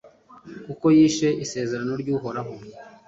kuko yishe isezerano ry'uhoraho